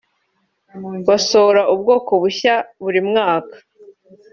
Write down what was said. basohora ubwoko bushya buri mwaka